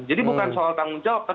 jadi bukan soal tanggung jawab